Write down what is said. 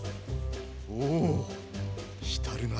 おお浸るなあ。